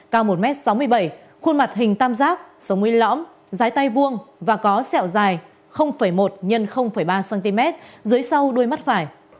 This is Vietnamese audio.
cao một m sáu mươi bảy khuôn mặt hình tam giác sống nguyên lõm dưới tay vuông và có sẹo dài một x ba cm dưới sau đuôi mắt phải